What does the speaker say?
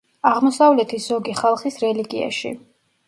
აღმოსავლეთის ზოგი ხალხის რელიგიაში.